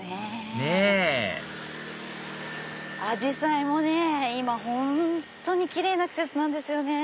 ねっアジサイもね今本当にキレイな季節なんですよね。